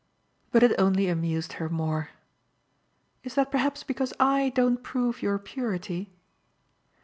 But it only amused her more. "Is that perhaps because I don't prove your purity?"